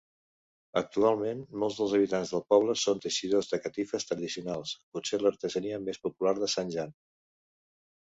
Actualment, molts dels habitants del poble són teixidors de catifes tradicionals, potser l'artesania més popular de Zanjan.